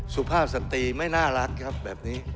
สุภาพสตรีไม่น่ารักครับแบบนี้